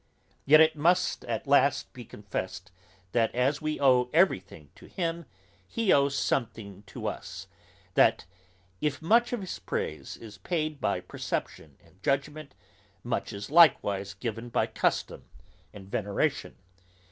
Yet it must be at last confessed, that as we owe every thing to him, he owes something to us; that, if much of his praise is paid by perception and judgement, much is likewise given by custom and veneration.